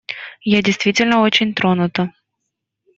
Я действительно очень тронута.